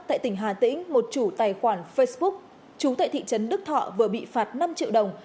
tại tỉnh hà tĩnh một chủ tài khoản facebook chú tại thị trấn đức thọ vừa bị phạt năm triệu đồng